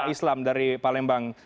islam dari palembang